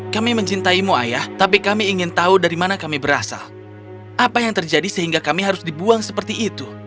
kami mencintaimu ayah tapi kami ingin tahu dari mana kami berasal apa yang terjadi sehingga kami harus dibuang seperti itu